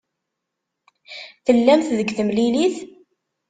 Tellamt deg temlilit?